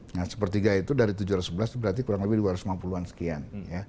nah sepertiga itu dari tujuh ratus sebelas berarti kurang lebih dua ratus lima puluh an sekian